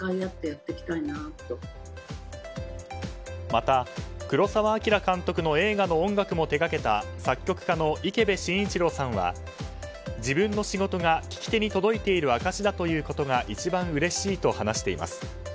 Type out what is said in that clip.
また、黒澤明監督の映画の音楽も手掛けた作曲家の池辺晋一郎さんは自分の仕事が聞き手に届いている証しだということが一番うれしいと話しています。